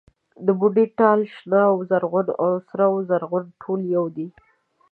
د بوډۍ ټال، شنه و زرغونه او سره و زرغونه ټول يو دي.